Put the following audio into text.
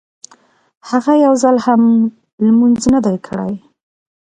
هغه يو ځل هم لمونځ نه دی کړی.